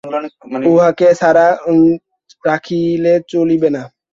উহাকে ছাড়া রাখিলে চলিবে না।